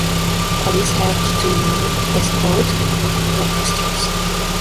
Police helped to escort protesters.